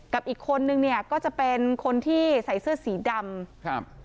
กับอีกคนนึงเนี่ยก็จะเป็นคนที่ใส่เสื้อสีดำครับ